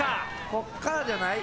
こっからじゃない？